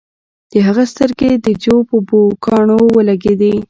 د هغه سترګې د جو په پوکاڼو ولګیدې